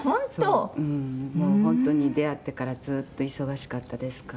孝子さん：本当に出会ってからずっと忙しかったですから。